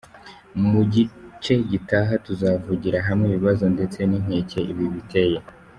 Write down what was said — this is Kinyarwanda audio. Mu gice gitaha tuzavugira hamwe ibibazo ndetse n’inkeke ibi biteye.